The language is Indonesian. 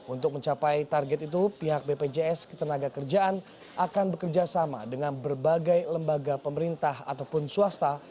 untuk mencapai target itu pihak bpjs ketenaga kerjaan akan bekerjasama dengan berbagai lembaga pemerintah ataupun swasta